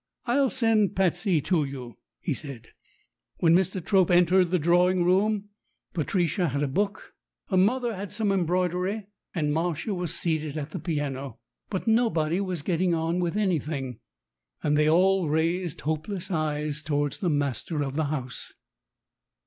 "I'll send Patsey to you," he said. When Mr. Trope entered the drawing room, Patricia 72 STORIES WITHOUT TEARS had a book, her mother had some embroidery, and Martia was seated at the piano; but nobody was get ting on with anything, and they all raised hopeless eyes towards the master of the house.